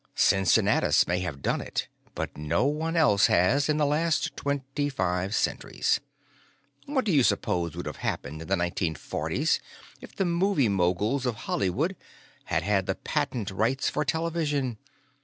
Cincinnatus may have done it, but no one else has in the last twenty five centuries. "What do you suppose would have happened in the 1940s if the movie moguls of Hollywood had had the patent rights for television?